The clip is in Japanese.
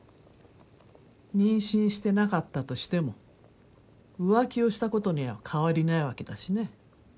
妊娠してなかったとしても浮気をしたことには変わりないわけだしね。